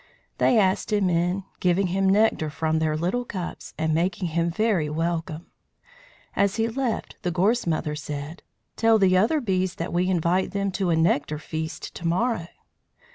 They asked him in, giving him nectar from their little cups, and making him very welcome. As he left the Gorse Mother said: "Tell the other bees that we invite them to a nectar feast to morrow."